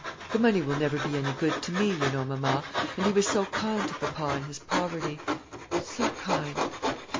The money will never be any good to me, you know, mamma; and he was so kind to papa in his poverty so kind!